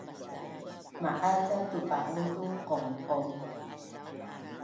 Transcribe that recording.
Ma’az ca tupa’un tu qaungqaung?